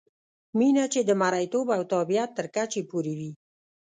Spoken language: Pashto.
مینه چې د مریتوب او تابعیت تر کچې پورې وي.